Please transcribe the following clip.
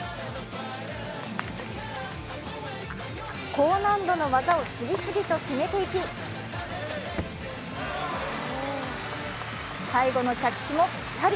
高難度の技を次々と決めていき、最後の着地もぴたり。